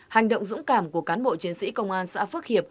hành động dũng cảm của cán bộ chiến sĩ công an xã phước hiệp